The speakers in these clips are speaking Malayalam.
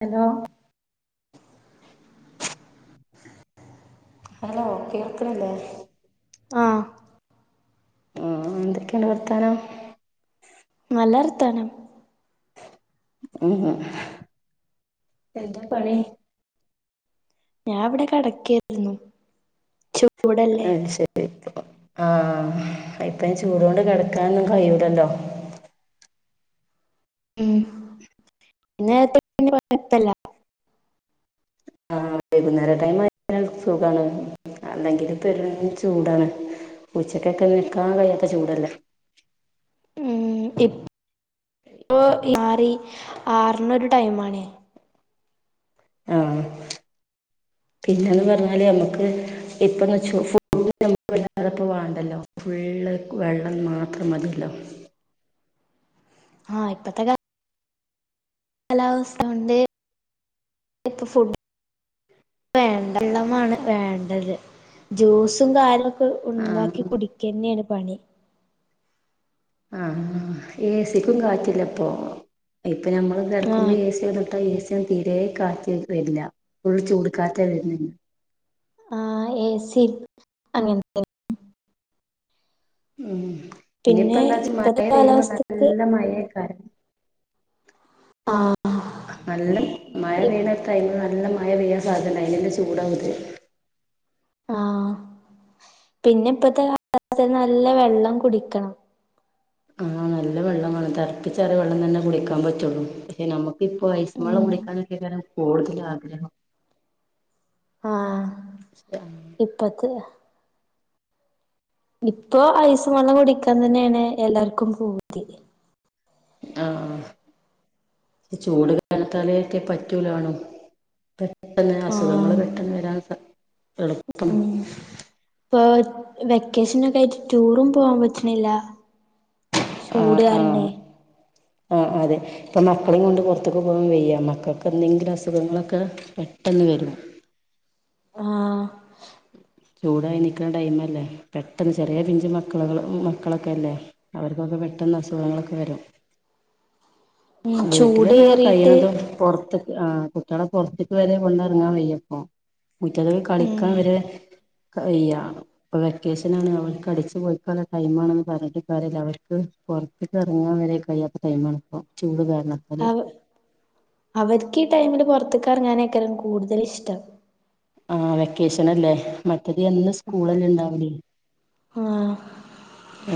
ഹലോ [inaudible] ഹലോ കേക്കണില്ലേ ആഹ് ആഹ് എന്തൊക്കെയാണ് വർത്താനം നല്ല വർത്താനം ഉം എന്താ പണി ഞാൻ അവിടെ കെടക്കായിരുന്നു ചു അത് ശരി [unintelligible] ആഹ് ഇപ്പ ചൂട്കൊണ്ട് കെടക്കാനൊന്നും കഴിയൂലല്ലോ ഉം [unintelligible] ആഹ് വൈകുന്നേര ടൈം ആയ പിന്നെ സുഖാണ് അല്ലെങ്കിൽ [unintelligible] ചൂടാണ് ഉച്ചക്കൊക്കെ നിൽക്കാൻ കഴിയാത്ത ചൂടല്ലേ ഉം ഇപ് പ്പോ മാറി ആറിനൊരു ടൈം ആണ് ആഹ് പിന്നന്ന് പറഞ്ഞാല് നമ്മക്ക് ഇപ്പന്ന് വെച് [unintelligible] [inaudible] വേണ്ടല്ലോ ഫുള്ള് വെള്ളം മാത്രം മതില്ലോ ആഹ് ഇപ്പത്തെ കാ [unintelligible] ഇപ്പ ഫുഡ് വേണ്ട വെള്ളമാണ് വേണ്ടത് ജ്യൂസും കാര്യംക്കെ ആഹ് ഉണ്ടാക്കി കുടിക്ക്യന്നെണ് പണി ആഹ് എ സിക്കും കാറ്റില്ലപ്പൊ ഇപ്പൊ ഞമ്മ [unintelligible] കടക്കുമ്പോൾ ആഹ് ഏ സിയന്നട്ടാ ഏ സിയും തീരെ കാറ്റ് വരില്ല ഫുൾ ചൂട് കാറ്റ വരുന്നേ ആഹ് എ സി അങ്ങനത്തെ ഉം ഇനിയിപ്പോ പിന്നെ എന്താ വച്ചാ മഴ ഇപ്പത്തെ പെയ്യുമ്പോ കാലാവസ്ഥക്ക് നല്ല മഴയക്കാരണം ആഹ് നല്ല മഴ പെയണ ടൈമ് നല്ല മഴ പെയ്യ സാധന അയ്ന്ള്ള ചൂടാകുത് ആഹ് പിന്നെ ഇപ്പത്തെ കാലത്ത് നല്ല വെള്ളം കുടിക്കണം ആഹ് നല്ല വെള്ളമാണ് തറപ്പിച്ചാറിയ വെള്ളം തന്നെ കുടിക്കാൻ പറ്റുള്ളൂ പക്ഷെ നമു ഇഇപ്പൊ ഐസും വെള്ളം ഉം കുഠിക്കാനൊക്കെകാരം കൂടുതൽ ആഗ്രഹം ആഹ് ഇപ്പത്തെ ഇപ്പൊ ഐസും വെള്ളം കുടിക്കാൻ തന്നെയാണ് എല്ലാർക്കും പൂതി ആഹ് ചൂട് വേണത്താല ഒക്കെ പറ്റൂലാണോ പെട്ടെന്ന് അസുഖങ്ങള് ആഹ് പെട്ടെന്ന് വരാൻ എളുപ്പം ഉം ഇപ്പൊ വെക്കേഷനൊക്കെ ആയിട്ട് ടൂറും പോവാൻ പറ്റണില്ല ആഹ് ചൂട് ആഹ് കാരണേ ആഹ് ആഹ് അതെ ഇപ്പൊ മക്കളും കൊണ്ട് പുറത്തേക്ക് പോകൻ വെയ്യ മക്കൾക്ക് എന്തെങ്കിലും അസുഖങ്ങളൊക്കെ പെട്ടെന്ന് വരും ആഹ് ചൂടായി നൽക്കുന്ന ടൈം അല്ലേ പെട്ടെന്ന് ചെറിയ പിഞ്ച മക്കള മക്കളൊക്കെ അല്ലേ അവർക്കൊക്കെ പെട്ടെന്ന് അസുഖങ്ങളൊക്കെ വരും ഉം വീട്ടിലന്നെ ചൂടേറിയിട്ട് കയ്യ്ണതും പുറത്ത് ആഹ് കുട്ട്യേളെ പുറത്ക്ക് വരെ കൊണ്ടർങ്ങാൻ വയ്യപ്പൊ മുറ്റത്ക്ക് കളിക് ഉം [unintelligible] ഇപ്പൊ വെക്കേഷനാണ് അവർക്ക് അടിച്ചു പോളിക്കള്ള ടൈം ആണെന്ന് പറഞ്ഞിട്ട് കാര്യല്ല അവർക്ക് പൊർത്ക് ഇറങ്ങാൻ വരെ കഴിയാത്തടൈമാണ് ഇപ്പ ചൂട് കാരണം അവ അവർക്ക് ഈ ടൈമില് പൊർത്ത്ക്ക് എറങ്ങാനേക്കാലും കൂടുതലിഷ്ടം ആഹ് വെക്കേഷനല്ലേ മറ്റത് എന്ന് സ്കൂളല്ലേ ണ്ടാവല് ആഹ്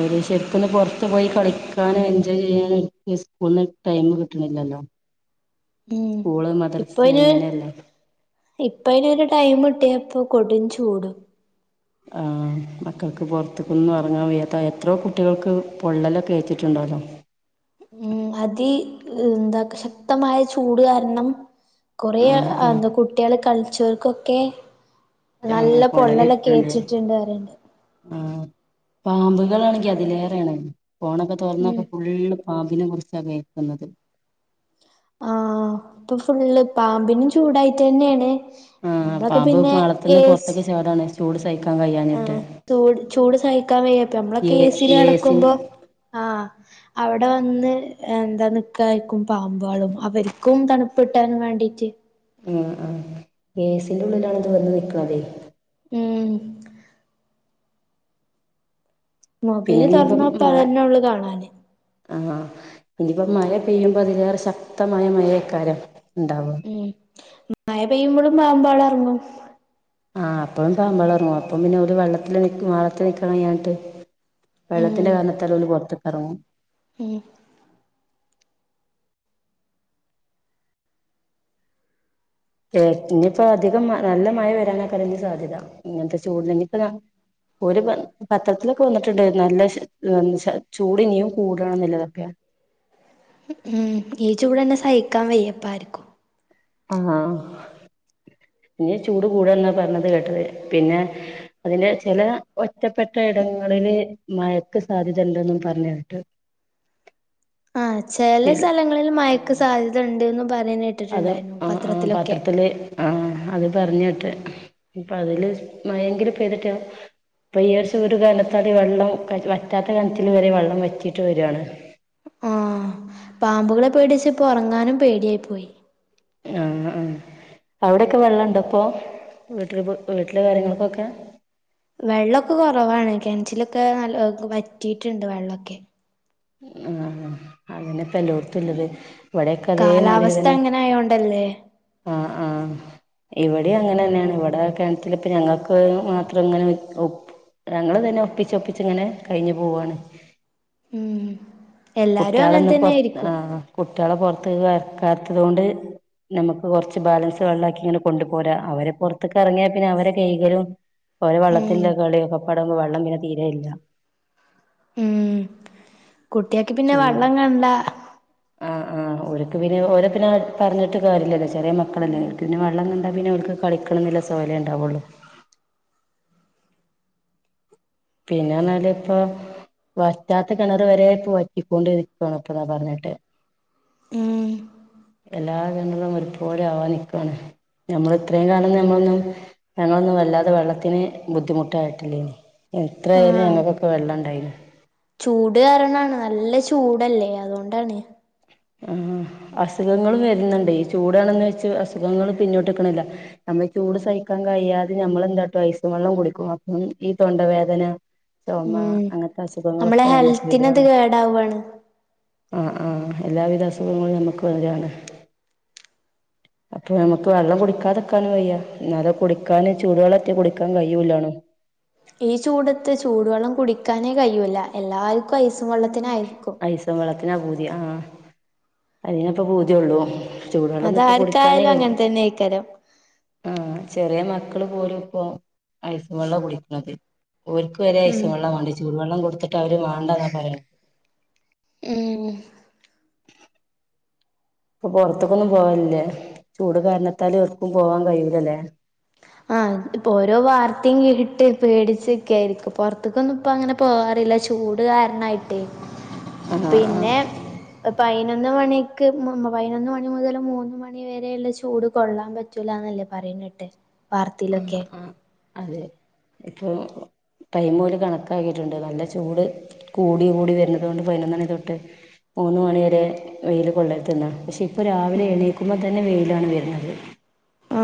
ഓര് ശരിക്കൊന്ന് പുറത്തു പോയി കളിക്കാനും എൻജോയ് ചെയ്യാനും സ്കൂളിന് ടൈം കിട്ടണില്ലല്ലോ ഉം സ്കൂള് ഇപ്പ മദർസ്‌ അയിന് ഇങ്ങനെയല്ലേ ഇപ്പ അയ്നൊരു ടൈം ഇട്ടിയപ്പൊ കൊടും ചൂട് ആഹ് മക്കൾക്ക് പൊർത്ത്ക്കൊന്നും ഇറങ്ങാൻ വയ്യാത്ത എത്രയോ കുട്ടികൾക്ക് പൊള്ളലൊക്കെ ഏറ്റിട്ടുണ്ടല്ലോ ഉം അതി എന്താ ശക്തമായ ചൂട് കാരണം കൊറെേ ആഹ് ആഹ് എന്താ കുട്ടികള് കളിച്ചവർക്കൊക്കെ നല്ല ആഹ് പൊള്ളലൊക്കെ പൊള്ളലേറ്റിട്ടുണ്ട് ഏറ്റ്ട്ട്ണ്ട് പറിണ്ട്. ആഹ് പാമ്പുകളാണെങ്കി അതിലേറെയാണ് ഫോണൊക്കെ ഉം തോറന്നപ്പ ഫുള്ള് പാമ്പിനെ കുറിച്ചാ കേൾക്കുന്നത്. ആഹ് ഇപ്പൊ ഫുള്ള് പാമ്പിനും ചൂടായിട്ടന്നെയാണ് ഞമ്മളൊക്കെ പിന്നെ ഏ. സ്‌, ആടാണ് ചൂട് സഹിക്കാൻ കിയാണ് ആഹ് ചൂട് ചൂട് സഹിക്കാൻ വയ്യപ്പ നമ്മളകെ എ ഏ സി ൽ ഏസി കേടക്കുമ്പോ. ആഹ് അവിടെ വന്ന് എന്താ നിക്കായിരിക്കും പാമ്പാളും അവർക്കും തണു പ്പ്ട്ടനും വേണ്ടിട്ട് ഉം ഉം ഏ സി ന്റെ ഉള്ളിലാണ ഇത് വന്ന് നിക്കണതെ. ഉം പിന്നെ മൊബൈല് ഇനിയിപ്പം തോറന്നപ്പ മ അതന്നെള്ളു കാണാന്. ആഹ് ആഹ് ഇനിപ്പോ മഴ പെയ്യുമ്പോ അതിലേറെ ശക്തമായ മഴയക്കാരം ഉണ്ടാവ ഉം മായ പെയ്യുമ്പോഴും പാമ്പൾ അറങ്ങും. ആ് അപ്പോഴും പാമ്പളർന്നു അപ്പം പിന്നെ ഒരു വെള്ളത്തി വളത്തിൽനിക്കാൻ കഴിയാണിട്ട് വെള്ളത്തിന്റെ ഉം കാരണത്തൽ ഓല് പൊറത്ത കറങ്ങും [inaudible] ഏ ഇനിയിപ്പോ അധികം നല്ല മഴ വരാന ആക്കനി സാധ്യത ഇങ്ങനത്തെ ചൂട് ഇനിയിപ്പോ. ഒരു പ പത്രത്തിലൊക്കെ വന്നിട്ടുണ്ട് നല്ല [unintelligible] ചൂട് ഇനിയും കൂടണം എന്നില്ലതപ്പ്യ. ഉം ഈ ചൂട്ന്നെ സഹിക്കാൻ വയ്യപ്പ ആരിക്കും ആഹ് ഇനി ചൂട് കൂടന്നാ പറഞ്ഞത് കേട്ടത് പിന്നെ. അതിന്റെ ചില ഒറ്റപ്പെട്ട ഇടങ്ങളില് മയക്ക് സാധ്യത ഇണ്ട്ന്നും പറഞ്ഞുട്ട്. [inaudible] ആഹ് ചെല ചില സ്ഥലങ്ങളിൽ മയക്ക് സാധ്യത ഇണ്ട്ന്ന് പറയുന്നട്ട്. അതും ആഹ് ആഹ് പാത്രത്തില്. ആഹ് അത് പറഞ്ഞോട്ട് ഇപ്പ അതില് മയെങ്കിലും പെയ്തിട്ട. ഇപ്പൊ ഈ വർശം ഒരു കാലത്ത് അതി വെള്ളം പറ്റാത്ത കനറ്റിൽ വരെ വെള്ളം വെറ്റിറ്റ് വരണ്. ആഹ് പാമ്പുകളെ പേടിച്ച് ഇപ്പോ ഒറങ്ങാനും പേടിയായി പോയി. ആഹ് ആഹ് അവിടെയൊക്കെ വള്ളണ്ടേ ഇപ്പോ വീട്ടിൽ വീട്ടിലെ കാര്യങ്ങൾക്കൊക്കെ. വെള്ളമൊക്കെ കൊറവാണ് കിണറ്റിലൊക്കെ നല്ല വറ്റിട്ടുണ്ട് വെള്ളൊക്കെ. ആഹ് അങ്ങനെപ്പ യെല്ലോർത്തുള്ളത് ഇവിടെക്കെ അതേ മതിരി കാലാവസ്ഥ തന്നെ അങ്ങനെ ആയോണ്ടല്ലേ ആഹ് ആഹ് ഇവിടിം അങ്ങനെ തന്നെയാണ് ഇവിടെ കേണറ്റിൽ ഇപ്പ ഞങ്ങൾക്ക് മാത്രം ഇങ്ങനെ [unintelligible] ഞങ്ങൾ തന്നെ ഒപ്പിച്ച് ഒപ്പിച്ചങ്ങനെ കഴിഞ്ഞു പോവണ്. ഉം എല്ലാരും അങ്ങനെ തന്നൊയിരിക്കും. കുട്ടിളെ പുറത്ത്ക്ക് വക്കാത്തത് കൊണ്ട്. നമുക്ക് കൊറച്ച് ബാലൻസ് വെള്ളക്കി ഇങ്ങനെ കൊണ്ടുപൊരാ അവരെ പുറത്തൊക് ഏറങ്ങിയാ പിന്നെ അവരെ കൈകലും. ഓല ഉം വള്ളത്തിന്റെ കളിയൊക്കെ പാടെ ആകുമ്പോ വള്ളം പിനെ തീര ഇല്ല. ഉം കുട്ടിയക്ക് പിന്നെ ചൂട് വള്ളം കണ്ട. ആഹ് ആഹ് ഓർക്ക് പിന്നെ ഓര പിന്നെ പറഞ്ഞിട്ട് കര്യല്ലോ ചെരിയ മക്കളല്ലേ ക്ക് പിന്നെ വെള്ളം കണ്ടാ പിന്നെ ഒർക്ക് കളിക്കണംല്ല സോയലെ ഇണ്ടാവുള്ളൂ. പിന്നെ നാൽ ഇപ്പ വറ്റാത്ത കിണർ വരെ ഇപ്പൊ വറ്റിക്കൊണ്ടിരിക്കണ ഇപ്പൊ പറന്നെട്ട്. ഉം എല്ലാ കേണരും ഒരുപൊലെ ആവാ നിക്കണ്. നമ്മൾ ഇത്രയും കാലം മ്മൊന്നും ഞങ്ങളൊന്നും വല്ലാതെ വെള്ളത്തിന് ബുദ്ധിമുട്ടായിട്ടില്ലേന്നു എത്രയാലും ഞങ്ങൾക്കൊക്കെ വെള്ളം ഇണ്ടായിരുന്നു ചൂട്കാരണാണ് നല്ലചൂടല്ലേ അതുകൊണ്ടാണ് ഉം അസുഖങ്ങളും വര്ന്ന്ണ്ടെയ് ചൂടാണെന്ന് വെച്ച് അസുഖങ്ങള് പിന്നോട്ട്ക്ക്ണില്ല നമ്മൾചൂട് സയിക്കാൻകഴിയാതെ ഞമ്മെളെന്താട്ടും ഐസുംവെള്ളംകുടിക്കും അപ്പം ഈ തൊണ്ടവേദന ചൊമ ഉം നമ്മളെ അങ്ങൻത്തെഅസുഖങ്ങളൊക്കെ ഞമ്മക്ക് ഹെൽത്തിനത് വരാണ് കേടാവാണ് ആഹ ആഹ എല്ലാവിധഅസുഖങ്ങളും ഞമക്ക് വരാണ് അപ്പൊ ഞമ്മക്ക് വെള്ളംകുടിക്കാതെക്കാനുംവെയ്യ ന്നാലൊ കുടിക്കാന് ചൂടുവെള്ളറ്റെ കുടിക്കാൻകഴിയൂല്ലാണും ഈചൂടത്ത്ചൂടുവെള്ളംകുടിക്കാനേ കയ്യൂലഎല്ലാര്ക്കും ഐസുംവെള്ളത്തിനായ്ര്ക്കും ഐസും വള്ളത്തിനാപൂതി ആഹ അതിനപ്പപൂതിയൊള്ളൂ ചൂടുവെള്ളംന്നുംഇപ്പൊകുടിക്കാനേ അതാർക്കായാലും കയ്യൂല അങ്ങനെ തന്നെയ്ക്കാരം ആഹ ചെറിയമക്കള്പോലുംപ്പോ ഐസുംവെള്ളകുടിക്കണത് ഓൽക്ക് ക്ക് വരെ ഉം ഐസുംവള്ളവാണ്ടിയെ ചൂട് വള്ളംകൊട്ത്ത്ട്ട് അവര് വാണ്ടാന്നാപറയ ഉം ഇപ്പൊ പൊറെത്ത്ക്കൊന്നുംപോവൽല്ലേ ചൂട്കാര്ണത്താല് എട്ക്കുംപോവാൻ കഴിയൂലലേ ആഹ ഇപ്പോരോ വാർത്തിംകേട്ടിട്ട് പേടിച്ച്ക്ക്ക്കേയ്ര്ക്കും പൊറ്ത്ത്ക്കൊന്നുംപ്പങ്ങനെ പോവാറില്ല ചൂട്കാരണായ്ട്ടേ [inaudible] ആഹ് പിന്നെ പയിനൊന്ന്മണിക്ക് പയിനൊന്ന്മണിമുതല് മൂന്ന്മണിവെരെള്ള ചൂട്കൊള്ളാൻപ റ്റുലാന്നല്ലെ പറിണേട്ടഹ് ആഹ ആഹ അതെ ഇപ്പൊ ടൈംമോല് കണക്കാക്കിയ്ട്ട്ണ്ട് നല്ലചൂട് കൂടികൂടി വെര്ണതോണ്ട് പയിനൊന്നണിതൊട്ട് മൂന്ന്മണിവെരെവെയില് കൊള്ളര്ത്ന്നാ പഷെ ഇപ്പരാവിലെ എണീക്കുമ്പോതന്നെ വെയിലാണ് വര്ന്നത്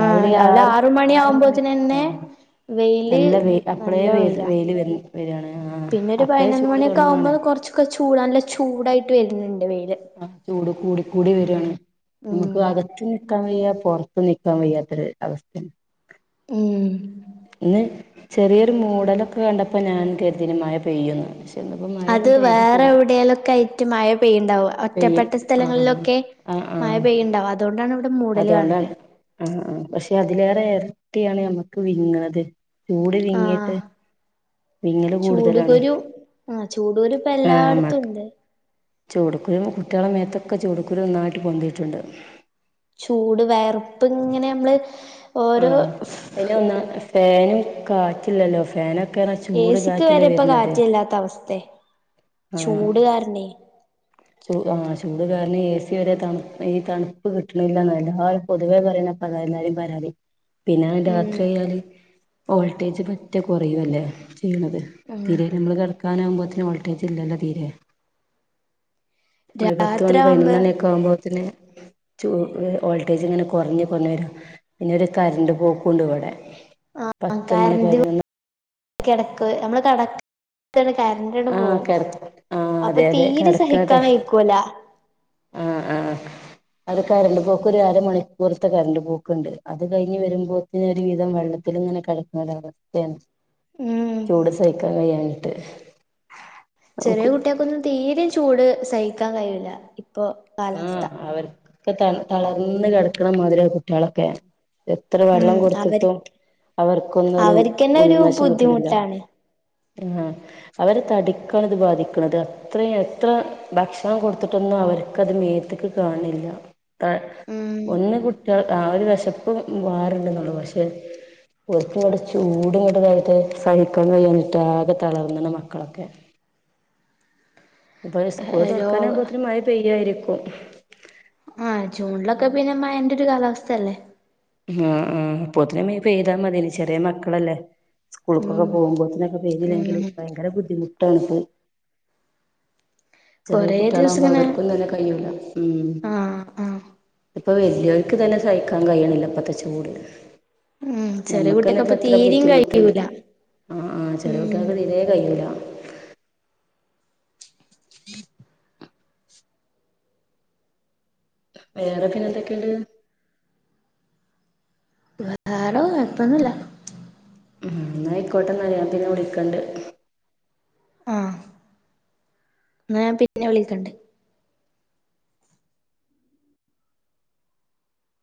രാവിലെആറ് മണിയാവുമ്പോത്തിന്നെന്നെ വെയ്ല് നല്ല വെ അപ്പളേ വെ നല്ലവെയ്ലാ വെയില് വ വരാണ് ആ പിന്നൊരു അപ്പഴേ ചൂട് പയിനൊന്ന്മണിയക്കാവുമ്പോ തുടങ്ങാണ് കൊറ്ച്ച് ഒക്കെചൂടാണല്ലചൂടായ്ട്ട് വര്ണ് ണ്ട് വെയ്ല് ആഹ ചൂട്കൂടികൂടിവെരാണ് ഉം നമുക്ക്അകത്തും ക്കാൻവെയ്യാ പൊറത്തും നിക്കാൻവയ്യാത്തൊര് അവസ്ഥെ ഉം ഇന്ന് ചെറിയൊരുമൂടലൊക്കെ കണ്ടപ്പോഞാനുംകരുതീനി മഴപെയ്യുന്ന് അത് വേറെഎവ്ടെലൊക്കയ്റ്റ് മഴ പെയ്യ്ണ്ടാവാ പെയ്യ ഒറ്റപ്പെട്ട ആഹ് സ്ഥലങ്ങളിലൊക്കെ മഴപെയ്യ്ണ്ടാവും അതോണ്ടാണ് ഇവിടെമൂ അതൊണ്ടാണ് ആഹ ആഹ പഷെ അതിലേറെ എര്ട്ടിയാണ് യമ്മക്ക് വിങ്ങ്ണത് ചൂട് വിങ്ങീട്ട് ആഹ് വിങ്ങ്ല്കൂട്തലാണ് ചൂടുകുരു ആ ചൂടുകുരു ഇപ്പ ആഹ എല്ലായിടത്തും മ്മക്ക് ഉണ്ട് ചൂടുക്കുരു കുട്ടിയാളെ മേത്തൊക്കെചൂടുക്കുരു ഒന്നായ്ട്ട്പൊന്തിയ്ട്ടുണ്ട് ചൂട് വെയർപ്പ്ങ്ങനെമ്മള് ഓരോ അയിനൊന്നാ ഫേനും കാറ്റില്ലല്ലോ ഫേനൊക്കെർഞ്ഞ ചൂട്കാറ്റല്ലേവര്ണത് ല്ലാത്തഅവസ്ഥെ ചൂട്കാര്നെ ചൂ ആഹ ചൂട്കാരണെയ് ഏസിവരെ തണുപ്പ ഈതണുപ്പ് കിട്ട്ണില്ലെന്ന എല്ലരും പൊതുവേപറിണ പ്പതാ എല്ലാരിം പരാതി ഉം പിന്നെരാത്രി ആയാല് ഓൾട്ടേജ് പറ്റെകുറയുല്ലേ ചെയ്യ്ണത് ഉം തീരെനമ്മള്കെട്ക്കാനാവുമ്പോതി ന് ഓൾട്ടേജ്ല്ലല്ലോതീരെ ഒരുപത്ത്മണി രാത്രിയാവുമ്പോ പയ്നൊന്ന്മണിയൊക്കെ ആവുമ്പോത്തിന് ടൂബ് ഓൾട്ടേജ്ങ്ങനെ കൊറ്ഞ്ഞ്കൊറ്ഞ്ഞ് വെര പിന്നൊരു കറണ്ട്പോക്കുണ്ട്ഇവടെ ആഹ കര്ന്റ് കെടക്ക് നമ്മള് കെട [unintelligible] ആഹ് കരണ്ടട്പോവും കിട ആഹ് അതെ അതെ അപ്പൊതീരെ കിടക്കണ ടൈ സഹിക്കാൻവെയ്ക്കൂല ആഹ് ആഹ് അത് കറണ്ട്പോക്കൊരു അരമണിക്കൂർത്തെ കറണ്ട്പോക്ക്ണ്ട് അത്കഴിഞ്ഞ് വരുമ്പോ ഇനിയൊരുവിധം വെള്ളത്തില്ങ്ങനെ കടക്കുന്നൊരവസ്ഥെണ് ഉം ചൂട് സഹിക്കാൻ കഴിയാഞ്ഞിട്ട് ചെറിയ നമുക്ക് കുട്ടിയക്കൊന്നും തീരെയും ചൂട് സഹിക്കാൻ കഴിയൂല്ലാ ഇപ്പൊ കാലാവസ്ഥ ആഹ് അവർക്ക് തളർന്ന് കിടക്കണ മാതിരിയാ കുട്ടികളൊക്കെ എത്ര ഉം വെള്ളം അവര് കൊടുത്തിട്ടും അവർക്കൊന്നും ഒരു അവർക്കന്നെ ഒരു ഉഉന്മേഷം കിട്ടണില്ല ബുദ്ധിമുട്ടാണ് ഉം ആഹ് അവരെ തടിക്കാണ് ഇത് ബാധിക്കുന്നത് അത്രയും എത്ര ഭക്ഷണം കൊടുത്തിട്ടൊന്നും അവര് അത് മേത്ത്ക്ക് കാണില്ല ആഹ് ഉം കുഞ്ഞ് കുട്ടികൾ ആ ഒരു വെശപ്പും മാറുണ്ടെന്നുള്ളു പക്ഷെ കുറച്ചും ഇങ്ങോട്ട് ചൂട് ഇങ്ങട്ടതായിട്ട് സഹിക്കാൻ കഴിയഞ്ഞിട്ടാകെ തളർന്ന്ണ് മക്കളൊക്കെ ഇപ്പൊ സ്കൂൾ രോ തുറക്കാനാവുമ്പത്തേന് മഴ പെയ്യുമായിരിക്കും ആഹ് ജൂണിലൊക്കെ പിന്നെ മഴന്റെ ഒരു കാലാവസ്ഥയല്ലേ ഉം ഉം അപ്പോത്തിനും പെയ്താ മതിന് ചെറിയ മക്കളല്ലേ ഉം സ്കൂൾക്കൊക്കെ പോകുമ്പോത്തിനൊക്കെ പെയ്തില്ലെങ്കിൽ ഉം ഭയങ്കര ബുദ്ധിമുട്ടാണ് ഇപ്പത്. ചെറിയ കൊറേ ദിവസം കുട്ടികളാകുമ്പോ ഇങ്ങനെ അവർക്കൊന്നും തന്നെ കഴിയൂല ഉം ആഹ് ആഹ് ഇപ്പൊ വല്ലിയോര്ക്ക് തന്നെ സഹിക്കാൻ കഴിയണില്ല ഇപ്പത്തെ ചൂട് ഉം ചെറിയ ഞമ്മക്ക്ന്നെ കുട്ടിയക്കപ്പ ഇപ്പത്ര തീരയും ബുദ്ധിമുട്ടുണ്ട് കഴിയൂല ആഹ് ആഹ് ചെറിയ ഉം കുട്ടികൾക്ക് തീരെ കഴിയൂലാ ഉം [inaudible] വേറെ പിന്നെ എന്തൊക്കെയുണ്ട്? വേറെ കൊഴപ്പൊന്നുംല്ല ഉം എന്നായിക്കോട്ടെ എന്നാല് ഞാൻ പിന്നെ വിളിക്കണ്ട് ആഹ് എന്നാ ഞാൻ പിന്നെ വിളിക്കണ്ട്